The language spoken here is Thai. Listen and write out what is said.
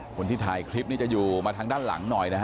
คนที่ถ่ายคลิปนี้จะอยู่มาทางด้านหลังหน่อยนะฮะ